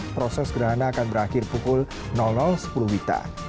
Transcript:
proses gerhana akan berakhir pukul sepuluh wita